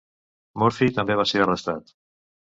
Murphy també va ser arrestat.